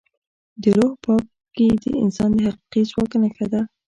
د روح پاکي د انسان د حقیقي ځواک نښه ده.